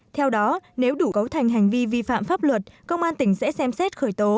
theo đó nếu đủ cấu thành hành vi vi phạm pháp luật công an tỉnh sẽ xem xét khởi tố